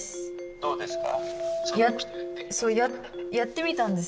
どうですか？